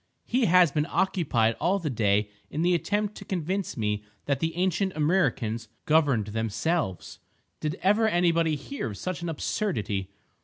He has been occupied all the day in the attempt to convince me that the ancient Amriccans governed themselves!—did ever anybody hear of such an absurdity?